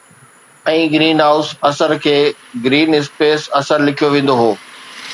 ۽ greenhouse اثر کي green space اثر لکيو ويندو هو